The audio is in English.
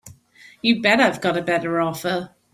You bet I've got a better offer.